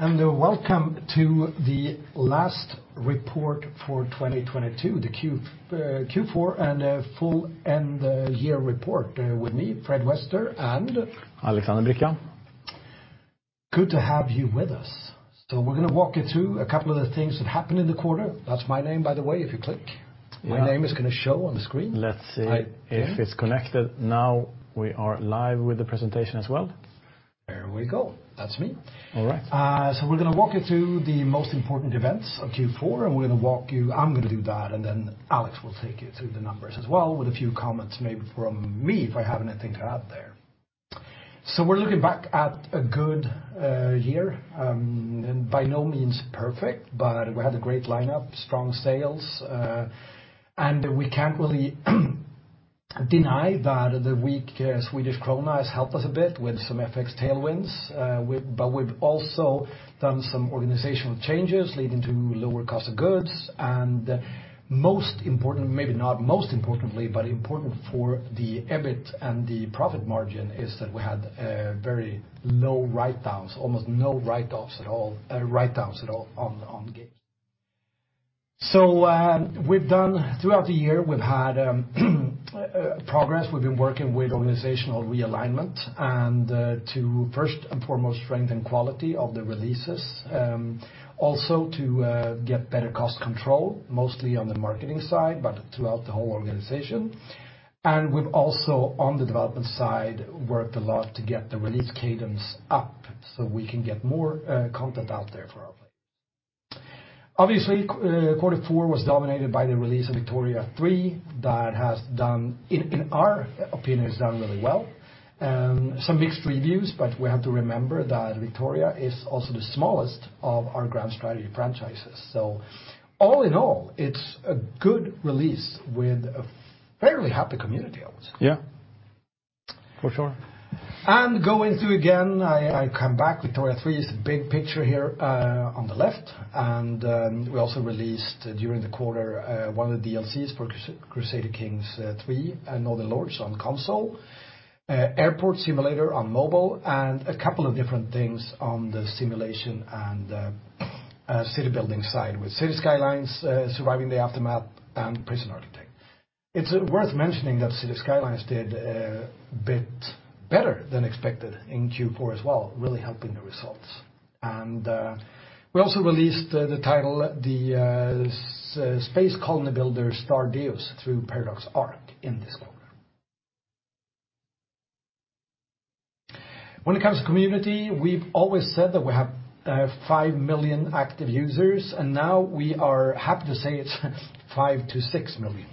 Hello, and welcome to the last report for 2022, the Q4, and full end year report, with me, Fredrik Wester. Alexander Bricca. Good to have you with us. We're gonna walk you through a couple of the things that happened in the quarter. That's my name, by the way, if you click. Yeah. My name is gonna show on the screen. Let's see... Yeah. ...if it's connected now. We are live with the presentation as well. There we go. That's me. All right. We're gonna walk you through the most important events of Q4. I'm gonna do that, and then Alex will take you through the numbers as well with a few comments maybe from me if I have anything to add there. We're looking back at a good year, and by no means perfect, but we had a great lineup, strong sales, and we can't really deny that the weak Swedish krona has helped us a bit with some FX tailwinds. But we've also done some organizational changes leading to lower cost of goods. Most important, maybe not most importantly, but important for the EBIT and the profit margin is that we had very low write-downs, almost no write-offs at all, write-downs at all on games. We've done, throughout the year, we've had progress. We've been working with organizational realignment and to first and foremost strengthen quality of the releases, also to get better cost control, mostly on the marketing side, but throughout the whole organization. We've also, on the development side, worked a lot to get the release cadence up so we can get more content out there for our players. Obviously, quarter four was dominated by the release of Victoria 3 that has done, in our opinion, has done really well. Some mixed reviews, but we have to remember that Victoria is also the smallest of our grand strategy franchises. All in all, it's a good release with a fairly happy community, I would say. Yeah. For sure. Going through again, I come back, Victoria 3 is the big picture here on the left. We also released during the quarter one of the DLCs for Crusader Kings III and Northern Lords on console, Airport Simulator on mobile, and a couple of different things on the simulation and city building side with Cities: Skylines, Surviving the Aftermath and Prison Architect. It's worth mentioning that Cities: Skylines did a bit better than expected in Q4 as well, really helping the results. We also released the title, the space colony builder Stardeus through Paradox Arc in this quarter. When it comes to community, we've always said that we have 5 million active users, and now we are happy to say it's 5 to 6 million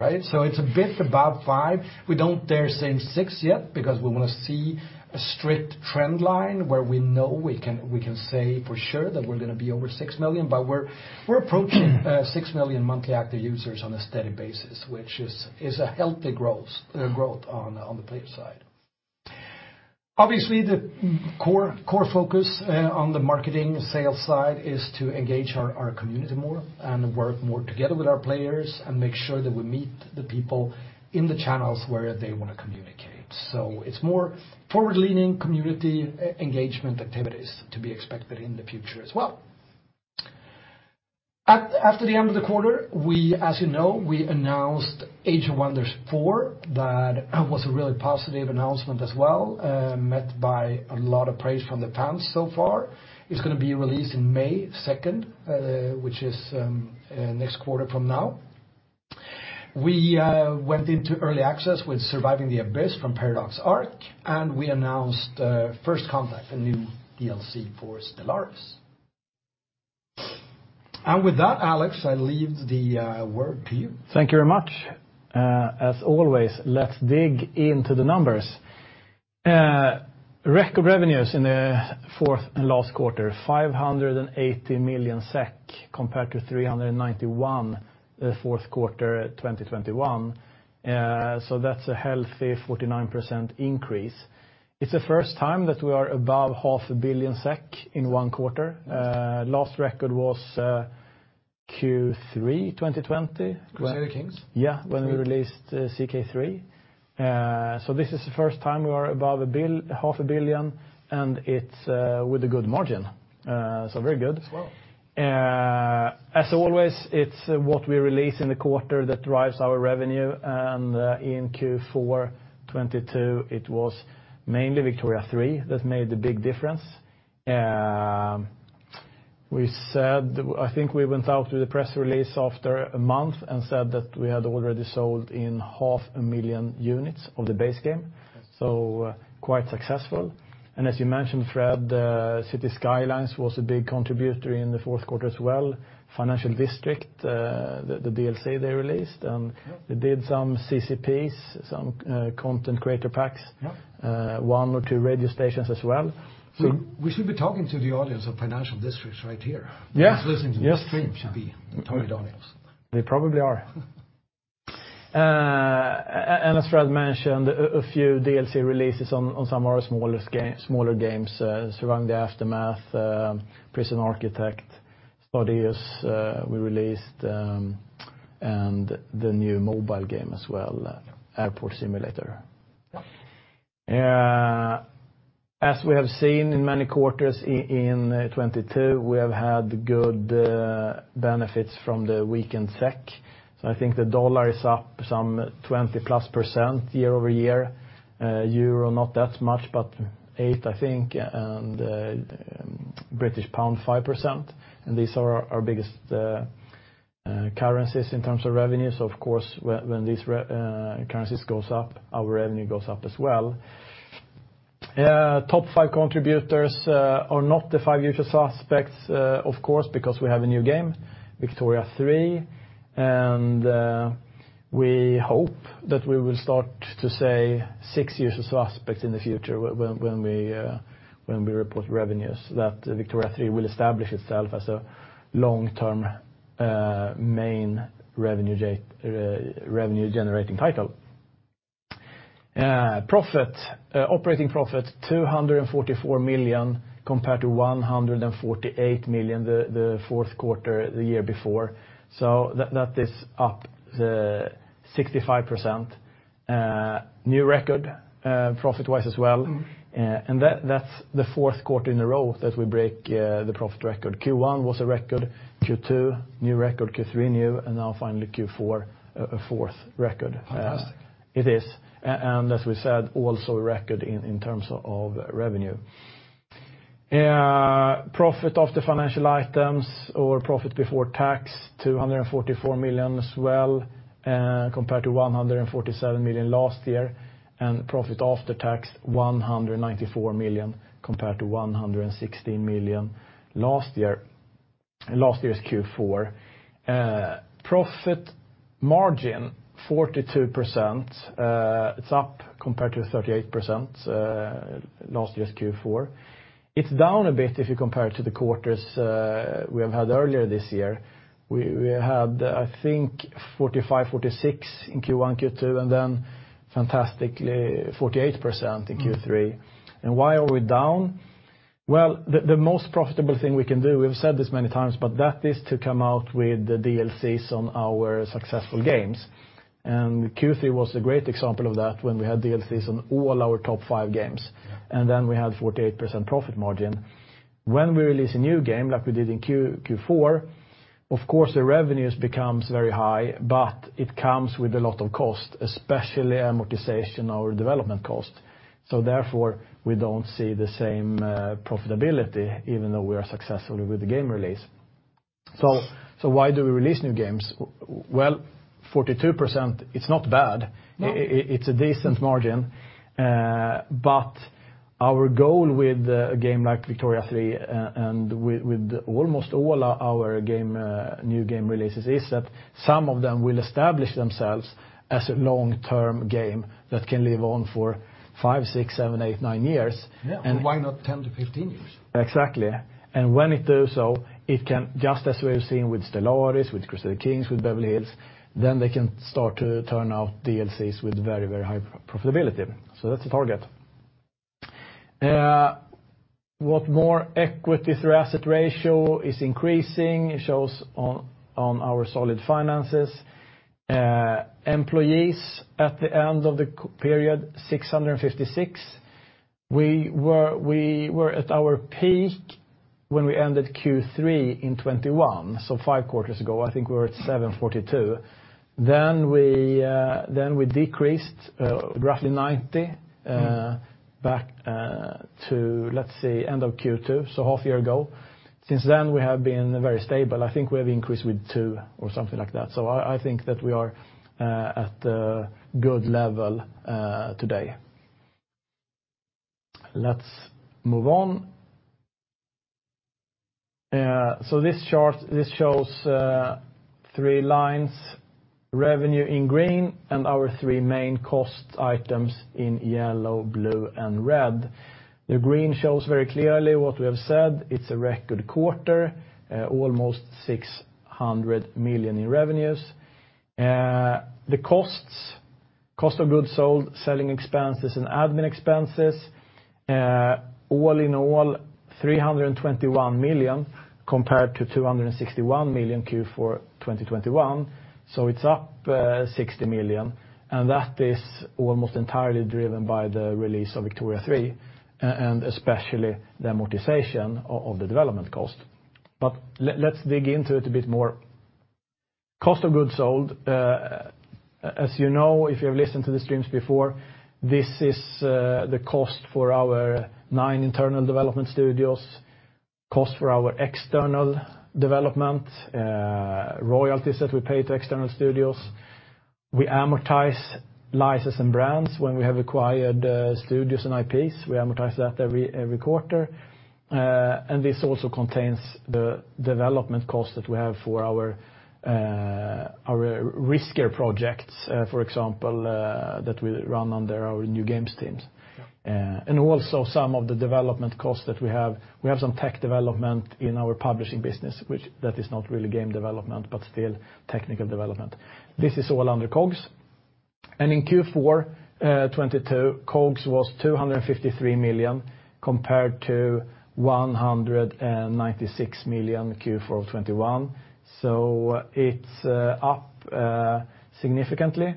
users, right? It's a bit above 5 million. We don't dare saying 6 million yet because we wanna see a strict trend line where we know we can say for sure that we're gonna be over 6 million. We're approaching 6 million monthly active users on a steady basis, which is a healthy growth on the player side. Obviously, the core focus on the marketing sales side is to engage our community more and work more together with our players and make sure that we meet the people in the channels where they wanna communicate. It's more forward-leaning community e-engagement activities to be expected in the future as well. After the end of the quarter, we, as you know, we announced Age of Wonders 4. That was a really positive announcement as well, met by a lot of praise from the fans so far. It's gonna be released in May 2nd, which is next quarter from now. We went into early access with Surviving the Abyss from Paradox Arc, we announced First Contact, a new DLC for Stellaris. With that, Alex, I leave the word to you. Thank you very much. As always, let's dig into the numbers. Record revenues in the fourth and last quarter, 580 million SEK compared to 391 million, fourth quarter at 2021. That's a healthy 49% increase. It's the first time that we are above half a billion SEK in one quarter. Last record was Q3 2020. Crusader Kings. Yeah, when we released CK3. This is the first time we are above half a billion SEK, and it's with a good margin. Very good. Well. As always, it's what we release in the quarter that drives our revenue, and in Q4 2022, it was mainly Victoria 3 that made the big difference. We said, I think we went out with a press release after a month and said that we had already sold in half a million units of the base game. Yes. Quite successful. As you mentioned, Fred, Cities: Skylines was a big contributor in the fourth quarter as well. Financial District, the DLC they released. Yep. They did some CCPs, some Content Creator Packs. Yep. One or two radio stations as well. We should be talking to the audience of Financial District right here. Yeah. Who's listening to this stream should be the target audience. They probably are. And as Fred mentioned, a few DLC releases on some of our smaller games, Surviving the Aftermath, Prison Architect, Stardeus, we released, and the new mobile game as well, Airport Simulator. As we have seen in many quarters in 2022, we have had good benefits from the weakened SEK. I think the dollar is up some 20+% year-over-year. EUR not that much, but 8, I think, and GBP 5%. These are our biggest currencies in terms of revenues. Of course, when these currencies goes up, our revenue goes up as well. Top five contributors are not the five usual suspects, of course, because we have a new game, Victoria 3. We hope that we will start to say six usual suspects in the future when we report revenues, that Victoria 3 will establish itself as a long-term, main revenue-generating title. Profit. Operating profit, 244 million compared to 148 million the fourth quarter the year before. That is up the 65%. New record, profit-wise as well. Mm-hmm. That's the fourth quarter in a row that we break the profit record. Q1 was a record, Q2 new record, Q3 new, and now finally Q4, a fourth record. Fantastic. It is. As we said, also a record in terms of revenue. Profit of the financial items or profit before tax, 244 million as well, compared to 147 million last year. Profit after tax, 194 million compared to 116 million last year, last year's Q4. Profit margin 42%. It's up compared to 38% last year's Q4. It's down a bit if you compare it to the quarters we have had earlier this year. We had, I think 45%, 46% in Q1, Q2, and then fantastically 48% in Q3. Why are we down? Well, the most profitable thing we can do, we've said this many times, but that is to come out with the DLCs on our successful games. Q3 was a great example of that when we had DLCs on all our top five games, and then we had 48% profit margin. When we release a new game like we did in Q4, of course the revenues becomes very high, but it comes with a lot of cost, especially amortization or development cost. Therefore, we don't see the same profitability even though we are successful with the game release. Why do we release new games? Well, 42%, it's not bad. No. It's a decent margin. Our goal with a game like Victoria 3 and with almost all our game new game releases is that some of them will establish themselves as a long-term game that can live on for five, six, seven, eight, nine years. Yeah. And- Why not 10-15 years? Exactly. When it do so, it can just as we've seen with Stellaris, with Crusader Kings, with Beverly Hills, then they can start to turn out DLCs with very, very high profitability. That's the target. What more equity-to-asset ratio is increasing. It shows on our solid finances. Employees at the end of the period, 656. We were at our peak when we ended Q3 in 2021, so five quarters ago, I think we were at 742. We decreased roughly 90... Mm. ...back to, let's say end of Q2, so half year ago. Since then, we have been very stable. I think we have increased with two or something like that. I think that we are at a good level today. Let's move on. This chart, this shows three lines, revenue in green, and our three main cost items in yellow, blue, and red. The green shows very clearly what we have said. It's a record quarter, almost 600 million in revenues. The costs, Cost of Goods Sold, selling expenses and admin expenses, all in all, 321 million compared to 261 million Q4 2021, so it's up 60 million. That is almost entirely driven by the release of Victoria 3 and especially the amortization of the development cost. Let's dig into it a bit more. Cost of Goods Sold, as you know, if you've listened to the streams before, this is the cost for our nine internal development studios, cost for our external development, royalties that we pay to external studios. We amortize license and brands when we have acquired studios and IPs. We amortize that every quarter. This also contains the development cost that we have for our riskier projects, for example, that we run under our New Games Team. Yeah. Also some of the development costs that we have. We have some tech development in our publishing business, which that is not really game development, but still technical development. This is all under COGS. In Q4 2022, COGS was 253 million compared to 196 million Q4 2021, it's up significantly.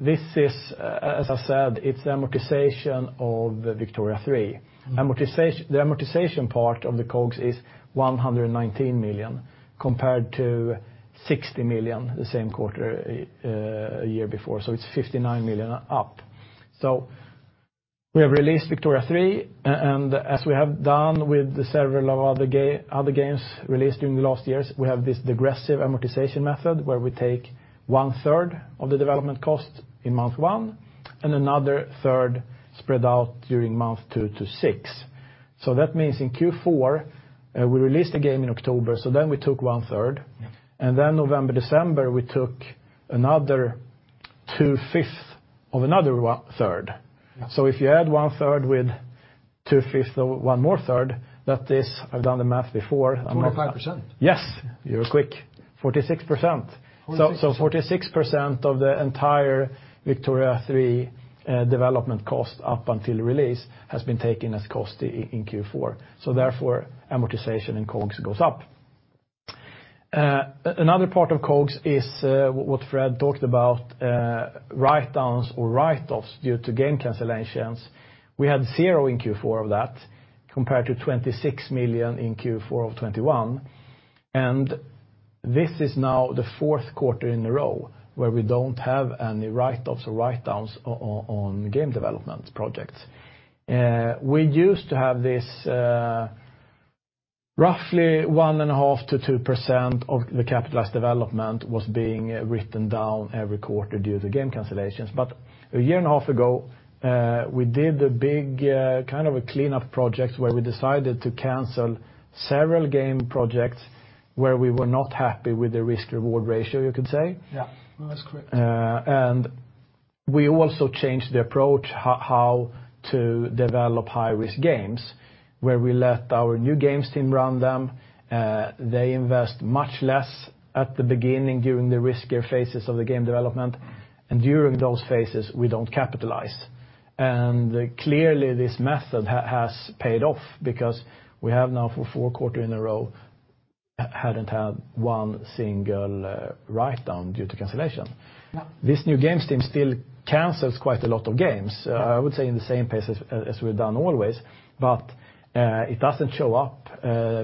This is, as I've said, the amortization of Victoria 3. The amortization part of the COGS is 119 million compared to 60 million the same quarter a year before, it's 59 million up. We have released Victoria 3, and as we have done with the several other games released during the last years, we have this degressive amortization method where we take one third of the development cost in month one, and another third spread out during month two to six. That means in Q4, we released the game in October, so then we took one third. Yeah. November, December, we took another two-fifth of another third. Yeah. If you add one third with two-fifth of one more third, that is... I've done the math before. 25%. Yes. You're quick. 46%. 46. 46% of the entire Victoria 3 development cost up until release has been taken as cost in Q4, so therefore amortization and COGS goes up. Another part of COGS is what Fred talked about, write-downs or write-offs due to game cancellations. We had zero in Q4 of that compared to 26 million in Q4 of 2021. This is now the fourth quarter in a row where we don't have any write-offs or write-downs on game development projects. We used to have this, roughly 1.5% to 2% of the capitalized development was being written down every quarter due to game cancellations. A year and a half ago, we did the big, kind of a cleanup project where we decided to cancel several game projects where we were not happy with the risk-reward ratio, you could say. Yeah. No, that's correct. We also changed the approach how to develop high-risk games, where we let our New Games Team run them. They invest much less at the beginning during the riskier phases of the game development, and during those phases, we don't capitalize. Clearly this method has paid off because we have now for four quarter in a row hadn't had one single write-down due to cancellation. Yeah. This New Games Team still cancels quite a lot of games. Yeah. I would say in the same pace as we've done always, but it doesn't show up,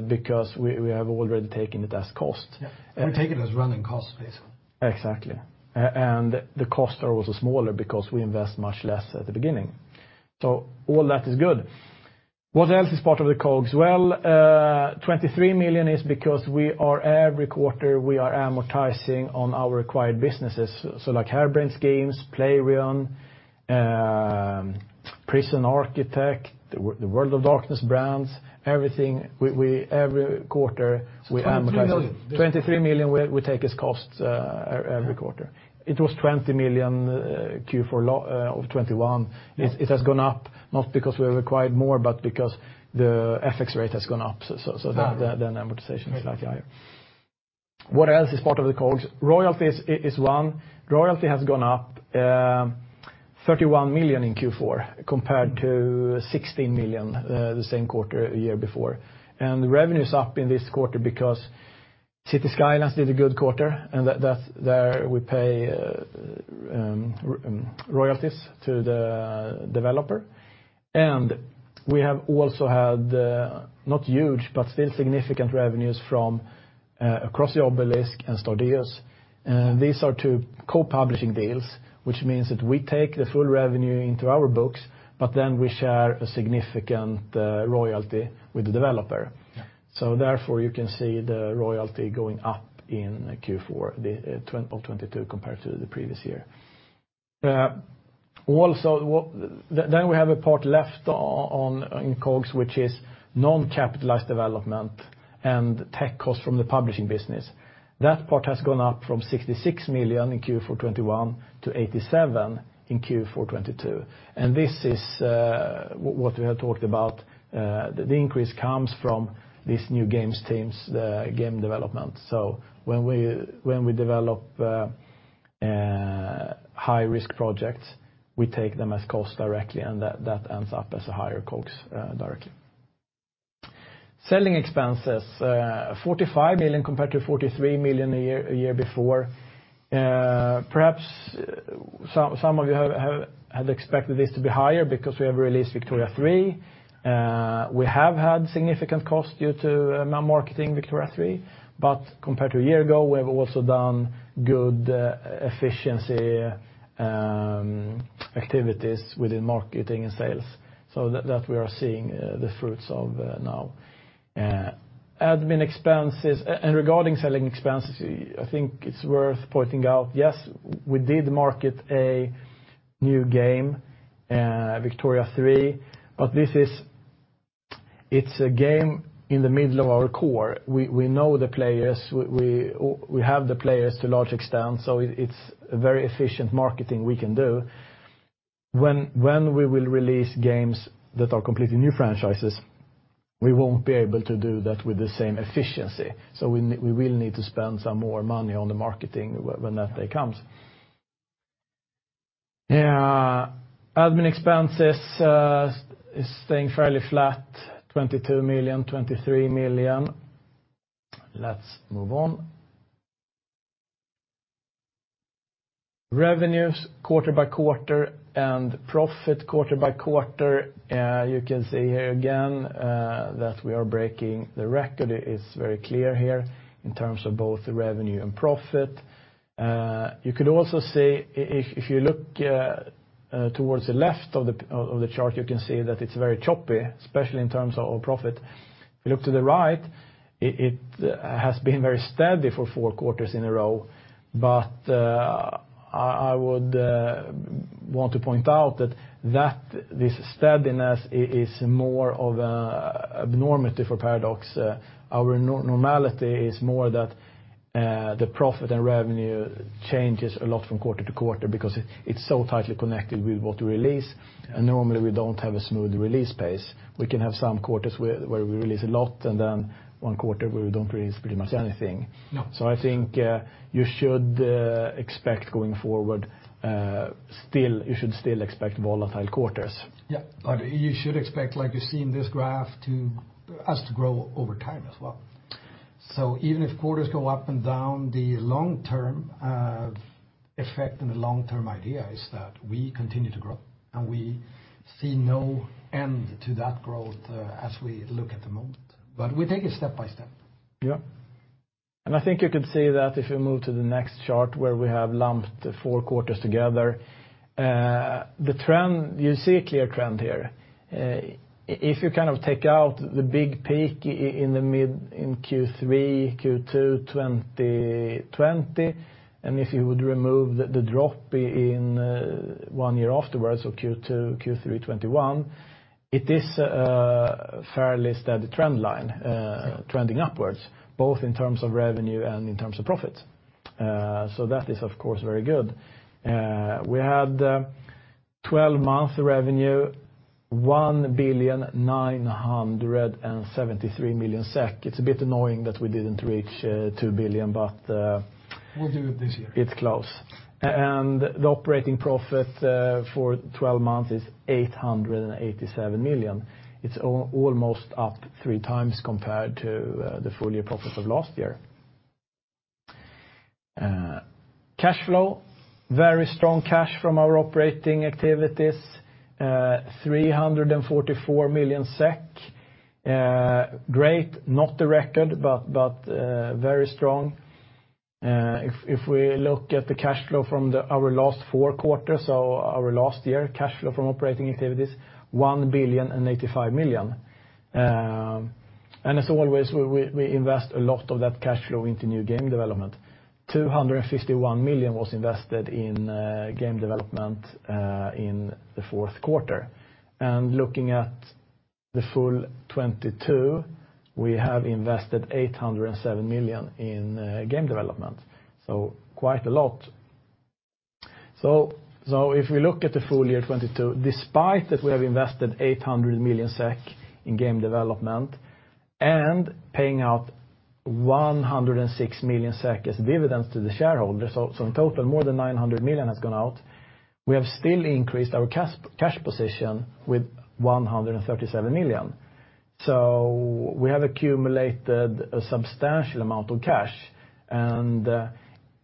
because we have already taken it as cost. Yeah. And- We've taken it as running cost basically. Exactly. And the costs are also smaller because we invest much less at the beginning. All that is good. What else is part of the COGS? Well, 23 million is because we are, every quarter, we are amortizing on our acquired businesses, like Harebrained Schemes, Playrion, Prison Architect, the World of Darkness brands, everything. Every quarter, we amortize... 23 million. ...23 million we take as costs, every quarter. Yeah. It was 20 million Q4 of 2021. Yeah. It has gone up, not because we acquired more, but because the FX rate has gone up, so the... Okay. ...the amortization is slightly higher. What else is part of the COGS? Royalty is one. Royalty has gone up 31 million in Q4 compared to 16 million the same quarter a year before. The revenue's up in this quarter because Cities: Skylines did a good quarter, and there we pay royalties to the developer. We have also had not huge, but still significant revenues from Across the Obelisk and Stardeus. These are two co-publishing deals, which means that we take the full revenue into our books, but then we share a significant royalty with the developer. Yeah. Therefore you can see the royalty going up in Q4, the 2022 compared to the previous year. Also, then we have a part left on, in COGS, which is non-capitalized development and tech costs from the publishing business. That part has gone up from 66 million in Q4 2021 to 87 million in Q4 2022, and this is what we have talked about. The increase comes from this New Games Team's game development. When we develop high-risk projects, we take them as cost directly, and that ends up as a higher COGS directly. Selling expenses, 45 million compared to 43 million a year before. Perhaps some of you have had expected this to be higher because we have released Victoria 3. We have had significant cost due to marketing Victoria 3, but compared to a year ago, we have also done good efficiency activities within marketing and sales. That we are seeing the fruits of now. Admin expenses. Regarding selling expenses, I think it's worth pointing out, yes, we did market a new game, Victoria 3, but this is. It's a game in the middle of our core. We, we know the players. We, we have the players to a large extent, so it's a very efficient marketing we can do. When we will release games that are completely new franchises, we won't be able to do that with the same efficiency. We will need to spend some more money on the marketing when that day comes. Admin expenses is staying fairly flat, 22 million, 23 million. Let's move on. Revenues quarter by quarter and profit quarter by quarter. You can see here again that we are breaking the record. It is very clear here in terms of both the revenue and profit. You could also see if you look towards the left of the chart, you can see that it's very choppy, especially in terms of our profit. If you look to the right, it has been very steady for four quarters in a row. I would want to point out that this steadiness is more of a abnormality for Paradox. Our normality is more that the profit and revenue changes a lot from quarter to quarter because it's so tightly connected with what we release. Normally we don't have a smooth release pace. We can have some quarters where we release a lot and then one quarter where we don't release pretty much anything. No. I think, you should expect going forward, still, you should still expect volatile quarters. Yeah. You should expect, like you see in this graph, us to grow over time as well. Even if quarters go up and down, the long-term effect and the long-term idea is that we continue to grow, and we see no end to that growth as we look at the moment. We take it step by step. Yeah. I think you can see that if you move to the next chart where we have lumped the four quarters together. The trend, you see a clear trend here. If you kind of take out the big peak in the mid, in Q3, Q2 2020, and if you would remove the drop in one year afterwards, so Q2, Q3 2021, it is a fairly steady trend line, trending upwards, both in terms of revenue and in terms of profits. So that is, of course, very good. We had 12-month revenue, 1,973,000,000 SEK. It's a bit annoying that we didn't reach 2 billion, but... We'll do it this year. ...it's close. The operating profit for 12 months is 887 million. It's almost up three times compared to the full year profit of last year. Cash flow, very strong cash from our operating activities, 344 million SEK. Great, not the record, but very strong. If we look at the cash flow from our last four quarters, so our last year cash flow from operating activities, 1,085 million. As always, we invest a lot of that cash flow into new game development. 251 million was invested in game development in the fourth quarter. Looking at the full 2022, we have invested 807 million in game development. Quite a lot. If we look at the full year 2022, despite that we have invested 800 million SEK in game development and paying out 106 million SEK as dividends to the shareholders, in total, more than 900 million has gone out, we have still increased our cash position with 137 million. We have accumulated a substantial amount of cash, and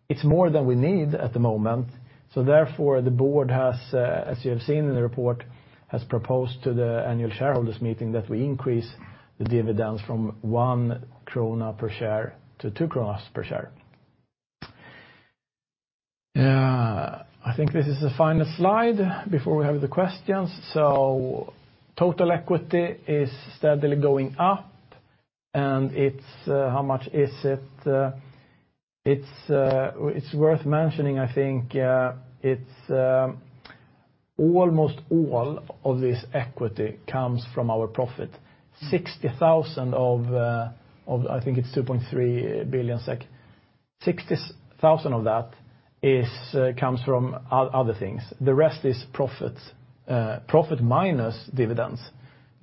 it's more than we need at the moment. Therefore, the board has, as you have seen in the report, has proposed to the annual shareholders meeting that we increase the dividends from 1 krona per share to 2 krona per share. I think this is the final slide before we have the questions. Total equity is steadily going up, and it's, how much is it? It's worth mentioning, I think, it's almost all of this equity comes from our profit. 60,000 of, I think it's 2.3 billion SEK. 60,000 of that comes from other things. The rest is profits, profit minus dividends.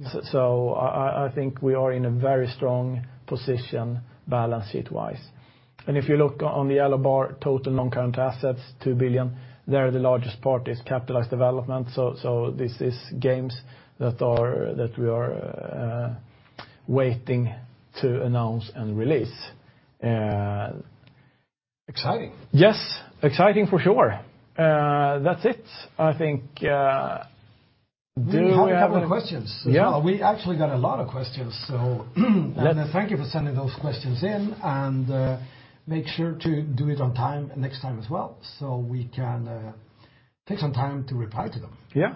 I think we are in a very strong position balance sheet-wise. If you look on the yellow bar, total non-current assets, 2 billion, they are the largest part is capitalized development. This is games that are, that we are waiting to announce and release. Exciting. Yes. Exciting for sure. That's it. I think, do you have We have a couple of questions as well. Yeah. We actually got a lot of questions. Yes. Thank you for sending those questions in, and make sure to do it on time next time as well so we can take some time to reply to them. Yeah.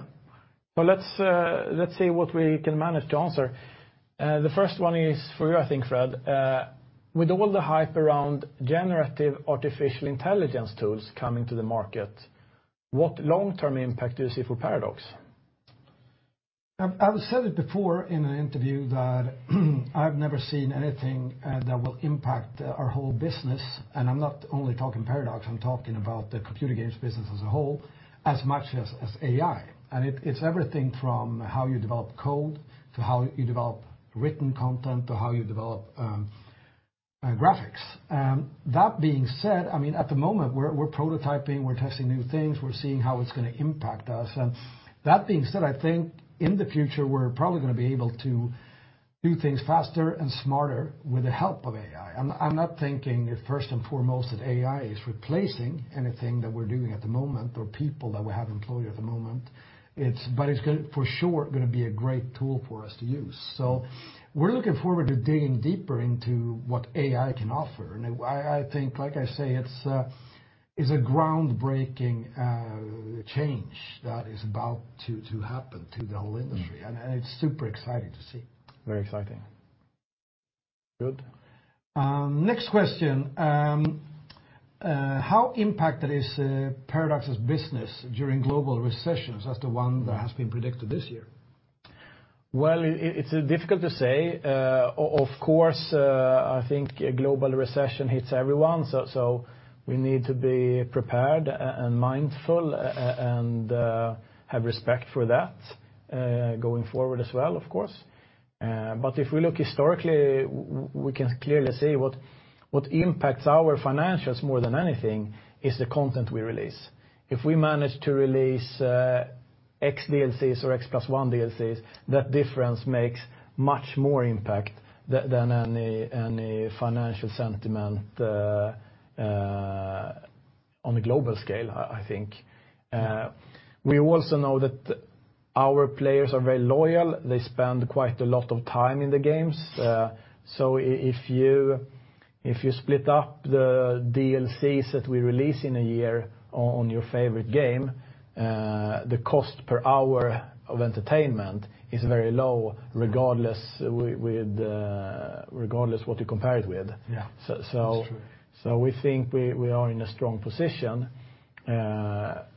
Let's see what we can manage to answer. The first one is for you, I think, Fred. With all the hype around generative artificial intelligence tools coming to the market, what long-term impact do you see for Paradox? I've said it before in an interview that I've never seen anything that will impact our whole business, I'm not only talking Paradox, I'm talking about the computer games business as a whole, as much as AI. It's everything from how you develop code to how you develop written content to how you develop graphics. That being said, I mean, at the moment we're prototyping, we're testing new things, we're seeing how it's gonna impact us. That being said, I think in the future we're probably gonna be able to do things faster and smarter with the help of AI. I'm not thinking first and foremost that AI is replacing anything that we're doing at the moment, or people that we have employed at the moment. It's... It's for sure gonna be a great tool for us to use. We're looking forward to digging deeper into what AI can offer. I think, like I say, it's a, it's a groundbreaking change that is about to happen to the whole industry. Mm. It's super exciting to see. Very exciting. Good. Next question. How impacted is Paradox's business during global recessions, as the one that has been predicted this year? Well, it's difficult to say. Of course, I think a global recession hits everyone. We need to be prepared and mindful and have respect for that going forward as well, of course. If we look historically, we can clearly see what impacts our financials more than anything is the content we release. If we manage to release X DLCs or X plus one DLCs, that difference makes much more impact than any financial sentiment on a global scale, I think. We also know that our players are very loyal. They spend quite a lot of time in the games. If you split up the DLCs that we release in a year on your favorite game, the cost per hour of entertainment is very low regardless with regardless what you compare it with. Yeah. So- That's true. We think we are in a strong position.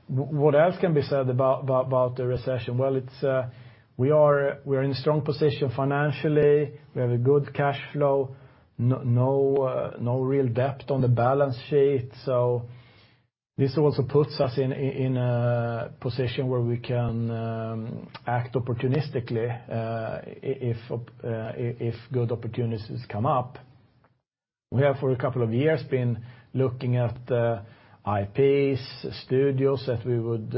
What else can be said about the recession? It's, we're in a strong position financially. We have a good cash flow. No real debt on the balance sheet. This also puts us in a position where we can act opportunistically if good opportunities come up. We have for a couple of years been looking at IPs, studios that we would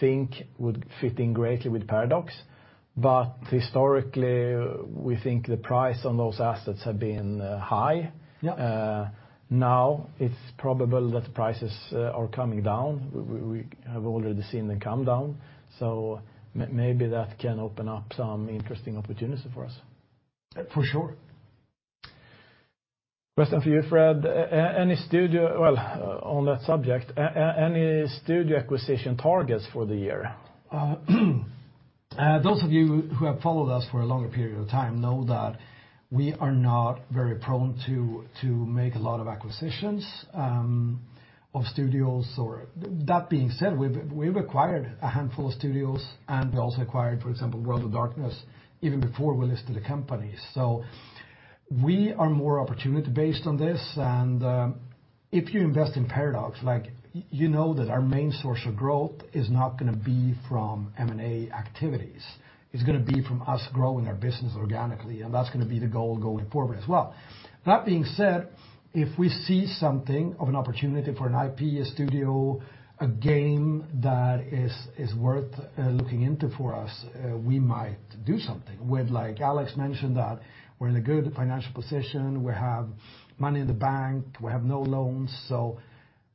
think would fit in greatly with Paradox. Historically, we think the price on those assets have been high. Yeah. Now it's probable that prices are coming down. We have already seen them come down. Maybe that can open up some interesting opportunity for us. For sure. Question for you, Fred. Any studio... Well, on that subject, any studio acquisition targets for the year? Those of you who have followed us for a longer period of time know that we are not very prone to make a lot of acquisitions of studios or... That being said, we've acquired a handful of studios, and we also acquired, for example, World of Darkness even before we listed the company. We are more opportunity based on this. If you invest in Paradox, like you know that our main source of growth is not gonna be from M&A activities. It's gonna be from us growing our business organically, and that's gonna be the goal going forward as well. That being said, if we see something of an opportunity for an IP, a studio, a game that is worth looking into for us, we might do something. We've, like Alex mentioned, that we're in a good financial position. We have money in the bank. We have no loans.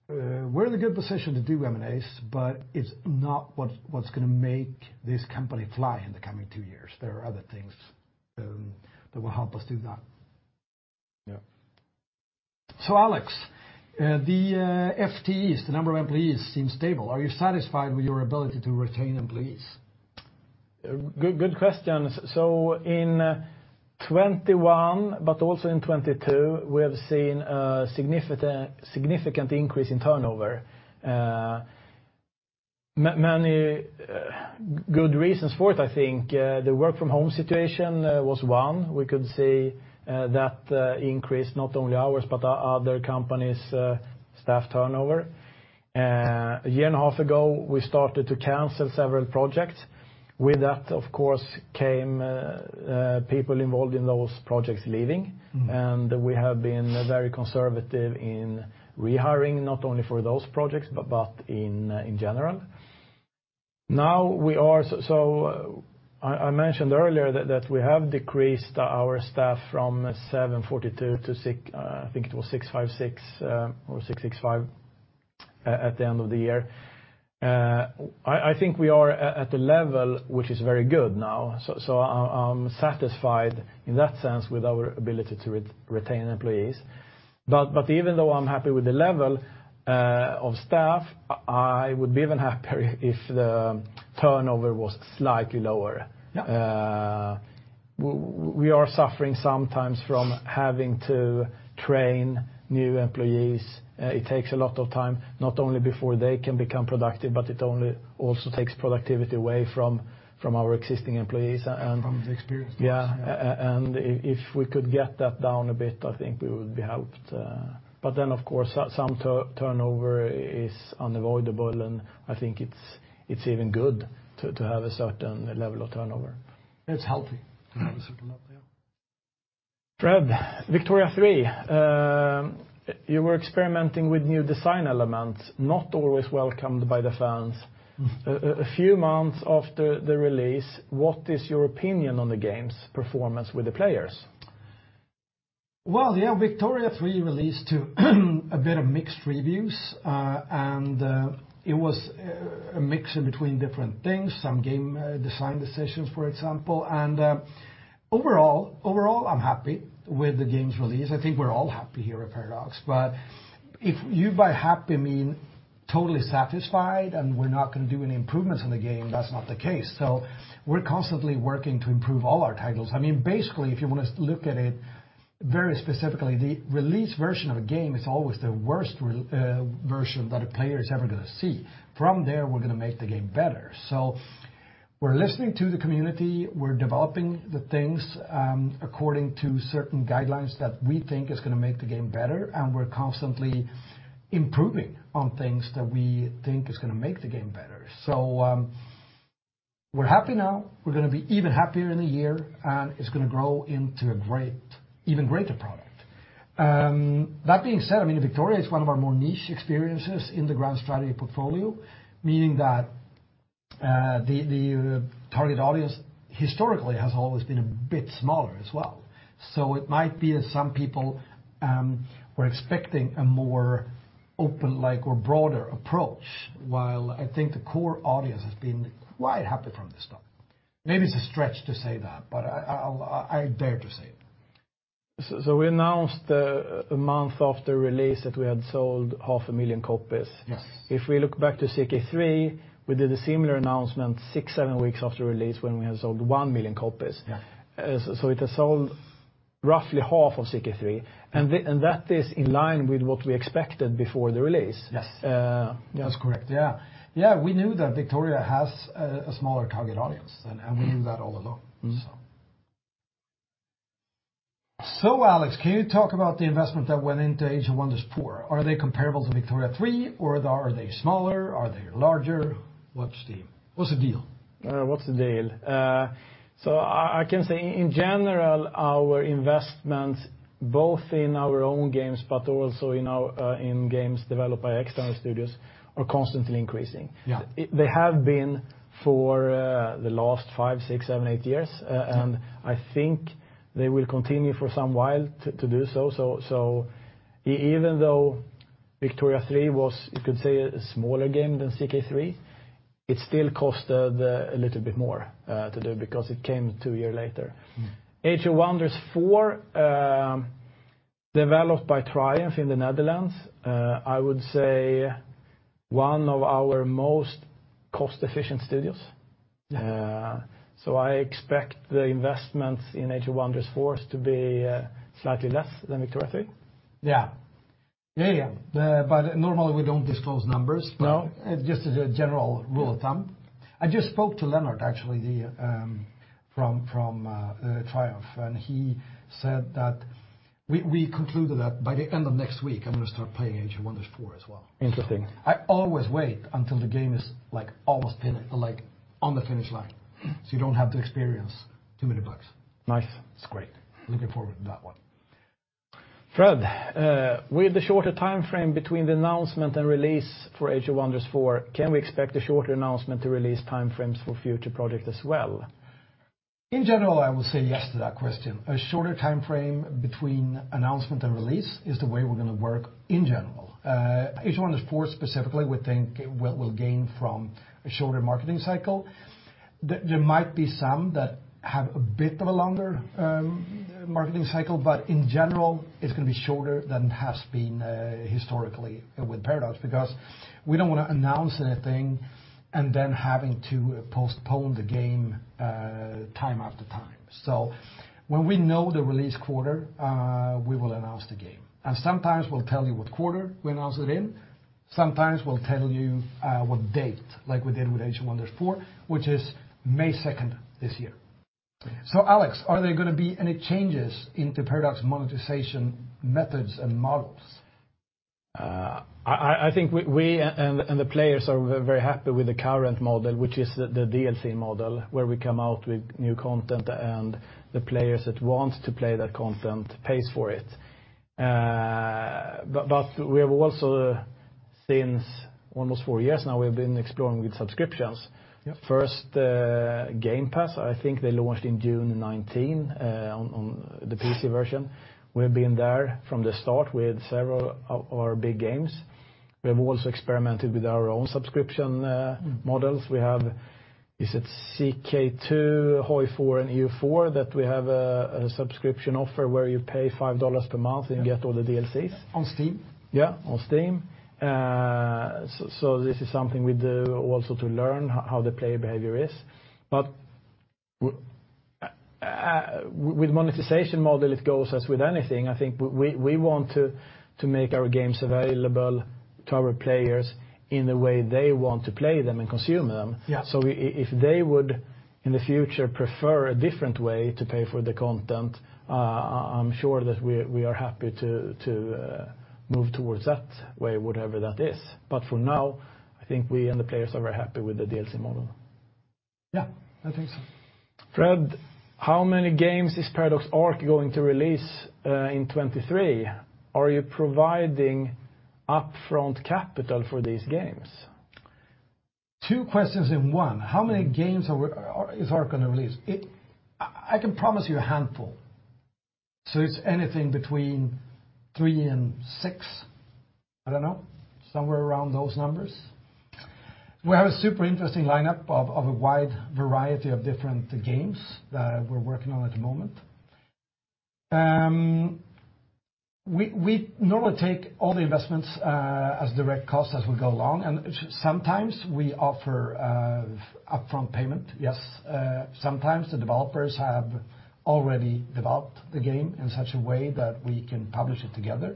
We're in a good position to do M&As, but it's not what's gonna make this company fly in the coming two years. There are other things that will help us do that. Yeah. Alex, the FTEs, the number of employees seems stable. Are you satisfied with your ability to retain employees? Good question. In 2021, also in 2022, we have seen a significant increase in turnover. Many good reasons for it, I think. The work from home situation was one. We could see that increase not only ours, but other companies' staff turnover. A year and a half ago, we started to cancel several projects. With that, of course, came people involved in those projects leaving. Mm. We have been very conservative in rehiring not only for those projects, but in general. I mentioned earlier that we have decreased our staff from 742 to 656 or 665 at the end of the year. I think we are at a level which is very good now. I'm satisfied in that sense with our ability to retain employees. Even though I'm happy with the level of staff, I would be even happier if the turnover was slightly lower. We are suffering sometimes from having to train new employees. It takes a lot of time, not only before they can become productive, but it only also takes productivity away from our existing employees. From the experienced ones. Yeah. If we could get that down a bit, I think we would be helped. Of course turnover is unavoidable, and I think it's even good to have a certain level of turnover. It's healthy to have a certain level, yeah. Fred, Victoria 3, you were experimenting with new design elements, not always welcomed by the fans. A few months after the release, what is your opinion on the game's performance with the players? Well, yeah, Victoria 3 released to a bit of mixed reviews. It was a mix in between different things, some game design decisions, for example. Overall, I'm happy with the game's release. I think we're all happy here at Paradox. If you by happy mean totally satisfied and we're not gonna do any improvements in the game, that's not the case. We're constantly working to improve all our titles. I mean, basically, if you want to look at it very specifically, the release version of a game is always the worst version that a player is ever gonna see. From there, we're gonna make the game better. We're listening to the community, we're developing the things, according to certain guidelines that we think is gonna make the game better, and we're constantly improving on things that we think is gonna make the game better. We're happy now, we're gonna be even happier in a year, and it's gonna grow into a great, even greater product. That being said, I mean, Victoria is one of our more niche experiences in the grand strategy portfolio, meaning that the target audience historically has always been a bit smaller as well. It might be that some people were expecting a more open, like, or broader approach, while I think the core audience has been quite happy from the start. Maybe it's a stretch to say that, I dare to say it. We announced a month after release that we had sold half a million copies. Yes. If we look back to CK3, we did a similar announcement six, seven weeks after release when we had sold one million copies. Yeah. It has sold roughly half of CK3, and that is in line with what we expected before the release. Yes. Yeah. That's correct, yeah. Yeah, we knew that Victoria has a smaller target audience, and we knew that all along. Mm-hmm. Alex, can you talk about the investment that went into Age of Wonders 4? Are they comparable to Victoria 3, or are they smaller? Are they larger? What's the deal? What's the deal? I can say in general, our investments, both in our own games but also in our, in games developed by external studios, are constantly increasing. Yeah. They have been for the last five, six, seven, eight years. I think they will continue for some while to do so. Even though Victoria 3 was, you could say, a smaller game than CK3, it still cost a little bit more to do because it came two years later. Age of Wonders 4, developed by Triumph in the Netherlands, I would say one of our most cost-efficient studios. I expect the investments in Age of Wonders 4 to be slightly less than Victoria 3. Yeah. Yeah, yeah. Normally we don't disclose numbers. No. Just as a general rule of thumb. I just spoke to Lennart, actually, the from Triumph, and he said that we concluded that by the end of next week, I'm gonna start playing Age of Wonders 4 as well. Interesting. I always wait until the game is, like, almost on the finish line, so you don't have to experience too many bugs. Nice. It's great. Looking forward to that one. Fred, with the shorter timeframe between the announcement and release for Age of Wonders 4, can we expect a shorter announcement to release timeframes for future project as well? In general, I will say yes to that question. A shorter timeframe between announcement and release is the way we're gonna work in general. Age of Wonders 4 specifically, we think it will gain from a shorter marketing cycle. There might be some that have a bit of a longer marketing cycle, but in general, it's gonna be shorter than has been historically with Paradox, because we don't wanna announce anything and then having to postpone the game time after time. When we know the release quarter, we will announce the game. Sometimes we'll tell you what quarter we announce it in. Sometimes we'll tell you what date, like we did with Age of Wonders 4, which is May 2nd this year. Alex, are there gonna be any changes into Paradox monetization methods and models? I think we and the players are very happy with the current model, which is the DLC model, where we come out with new content and the players that want to play that content pays for it. We have also, since almost four years now, we've been exploring with subscriptions. Yeah. First, Game Pass, I think they launched in June 2019, on the PC version. We've been there from the start with several of our big games. We have also experimented with our own subscription models. We have, is it CK2, HOI4, and EU4 that we have a subscription offer where you pay $5 per month and you get all the DLCs. On Steam. Yeah, on Steam. This is something we do also to learn how the player behavior is. With monetization model, it goes as with anything. I think we want to make our games available to our players in the way they want to play them and consume them. Yeah. If they would, in the future, prefer a different way to pay for the content, I'm sure that we are happy to move towards that way, whatever that is. For now, I think we and the players are very happy with the DLC model. Yeah, I think so. Fred, how many games is Paradox Arc going to release in 2023? Are you providing upfront capital for these games? Two questions in one. How many games is Paradox Arc gonna release? I can promise you a handful. It's anything between three and six. I don't know. Somewhere around those numbers. We have a super interesting lineup of a wide variety of different games that we're working on at the moment. We normally take all the investments as direct costs as we go along, sometimes we offer upfront payment. Yes, sometimes the developers have already developed the game in such a way that we can publish it together.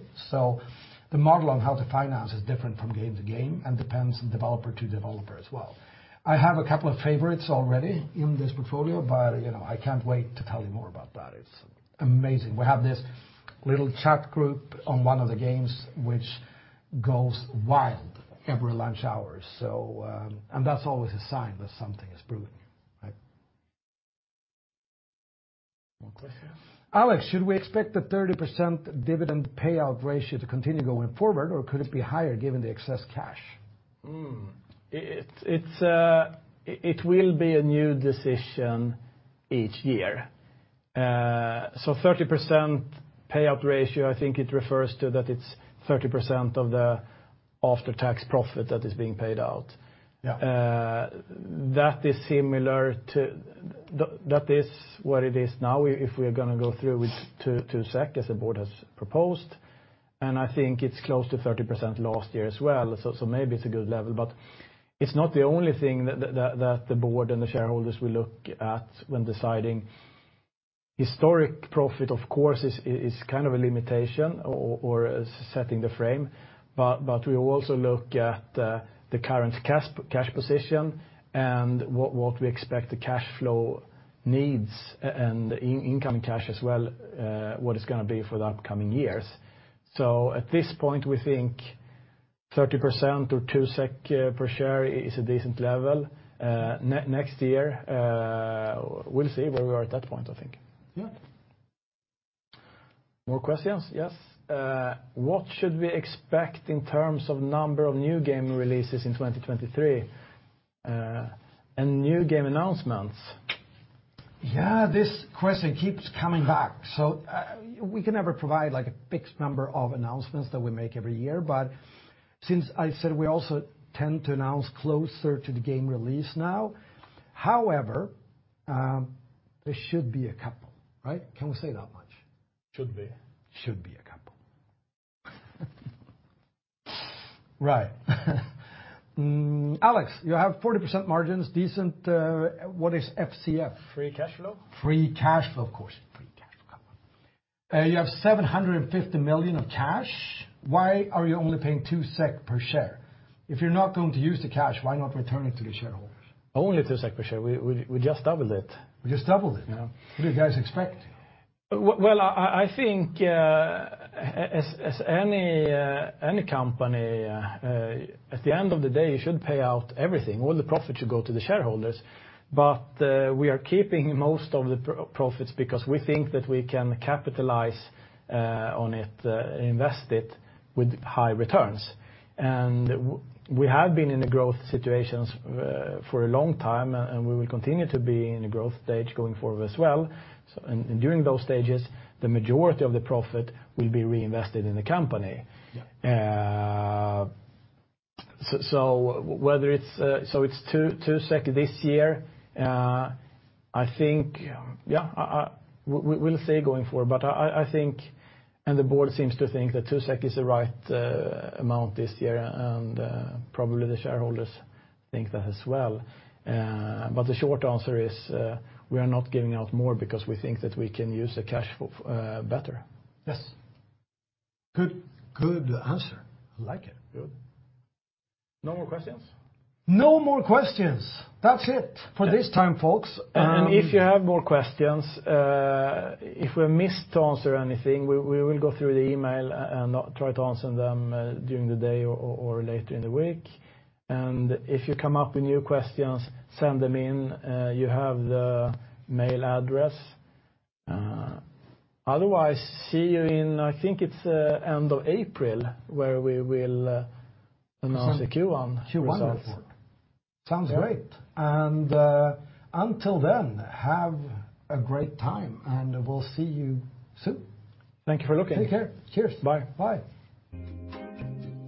The model on how to finance is different from game to game and depends on developer to developer as well. I have a couple of favorites already in this portfolio, you know, I can't wait to tell you more about that. It's amazing. We have this little chat group on one of the games which goes wild every lunch hour. That's always a sign that something is brewing, right? More questions. Alex, should we expect the 30% dividend payout ratio to continue going forward, or could it be higher given the excess cash? It's. It will be a new decision each year. 30% payout ratio, I think it refers to that it's 30% of the after-tax profit that is being paid out. Yeah. That is what it is now. We are going to go through with 2 SEK as the board has proposed, and I think it's close to 30% last year as well, maybe it's a good level. It's not the only thing that the board and the shareholders will look at when deciding. Historic profit, of course, is kind of a limitation or setting the frame. We will also look at the current cash position and what we expect the cash flow needs and in-income cash as well, what it's going to be for the upcoming years. At this point, we think 30% or 2 SEK per share is a decent level. Next year, we'll see where we are at that point, I think. Yeah. More questions? Yes. What should we expect in terms of number of new game releases in 2023, and new game announcements? Yeah, this question keeps coming back. We can never provide like a fixed number of announcements that we make every year, but since I said we also tend to announce closer to the game release now. There should be a couple, right? Can we say that much? Should be. Should be a couple. Right. Hmm. Alex, you have 40% margins, decent, what is FCF? Free cash flow? Free cash flow, of course. Free cash flow. You have 750 million of cash. Why are you only paying 2 SEK per share? If you're not going to use the cash, why not return it to the shareholders? Only 2 SEK per share. We just doubled it. We just doubled it. Yeah. What do you guys expect? Well, I think, as any company, at the end of the day, you should pay out everything. All the profit should go to the shareholders. We are keeping most of the profits because we think that we can capitalize on it, invest it with high returns. We have been in a growth situations, for a long time, and we will continue to be in a growth stage going forward as well. During those stages, the majority of the profit will be reinvested in the company. Yeah. Whether it's 2 SEK this year. I think, yeah, we'll see going forward. I think, and the board seems to think that 2 SEK is the right amount this year, and probably the shareholders think that as well. The short answer is, we are not giving out more because we think that we can use the cash better. Yes. Good, good answer. I like it. Good. No more questions? No more questions. That's it for this time, folks. If you have more questions, if we missed to answer anything, we will go through the email and try to answer them during the day or later in the week. If you come up with new questions, send them in. You have the mail address. Otherwise, see you in, I think it's end of April, where we will announce the Q1 results. Sounds wonderful. Sounds great. Yeah. Until then, have a great time, and we'll see you soon. Thank you for looking. Take care. Cheers. Bye. Bye.